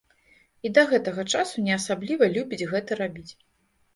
І да гэтага часу не асабліва любіць гэта рабіць.